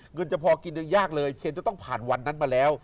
เงินจะพอกินยังยากเลยเชนจะต้องผ่านวันนั้นมาแล้ว